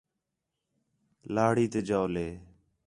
لہڑی تے جَولے